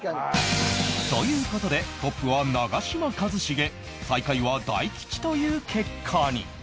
という事でトップは長嶋一茂最下位は大吉という結果に